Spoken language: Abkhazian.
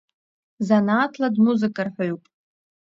Занааҭла дмузыкарҳәаҩуп.